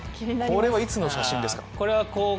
これはいつの写真ですか？